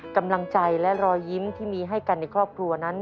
กำลังใจและรอยยิ้มที่มีให้กันในครอบครัวนั้น